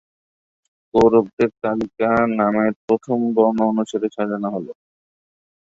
কৌরবদের তালিকা নামের প্রথম বর্ণ অনুসারে সাজানো হল-